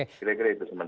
kira kira itu sementara